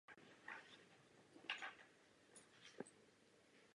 Avšak výsledky své práce již vidíme.